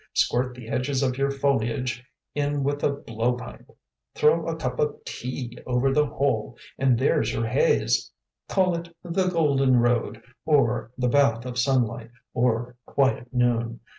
Squirt the edges of your foliage in with a blow pipe. Throw a cup of tea over the whole, and there's your haze. Call it 'The Golden Road,' or 'The Bath of Sunlight,' or 'Quiet Noon.'